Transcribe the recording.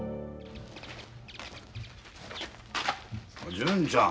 純ちゃん。